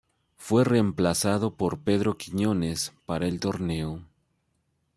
Fue reemplazado por Pedro Quiñónez para el torneo..